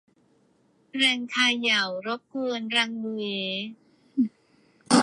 แรงเขย่ารบกวนรังหนู